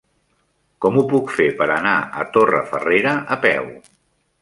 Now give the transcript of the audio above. Com ho puc fer per anar a Torrefarrera a peu?